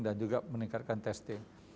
dan juga meningkatkan testing